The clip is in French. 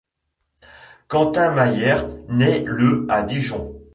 Quentin Mahier naît le à Dijon.